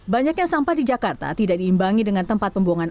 banyaknya sampah di jakarta tidak diimbangi dengan tempat pembuangan